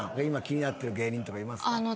今気になってる芸人とかいますか？